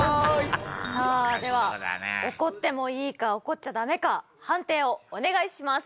さあでは怒ってもいいか怒っちゃダメか判定をお願いします。